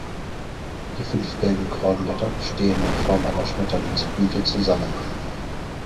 Die fünf gelben Kronblätter stehen in Form einer Schmetterlingsblüte zusammen.